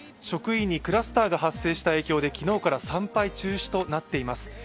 職員にクラスターが発生した影響で昨日から参拝中止となっています。